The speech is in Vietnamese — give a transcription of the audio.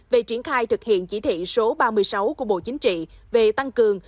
về triển khai thực hiện chỉ thị số ba mươi sáu của bộ chính trị về tăng cường